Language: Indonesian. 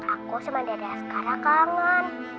aku sama dada sekarang kangen